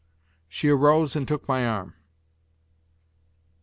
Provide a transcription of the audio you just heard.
She arose and took my arm.